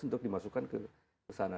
untuk dimasukkan ke sana